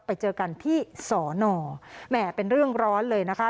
ไปเจอกันที่สอนอแหมเป็นเรื่องร้อนเลยนะคะ